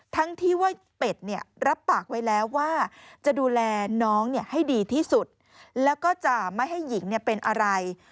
ทั้งที่ว่าเป็ดเนี่ยรับปากไว้แล้วว่าจะดูแลน้องให้ดีที่สุดแล้วก็จะไม่ให้หญิงเป็นอะไร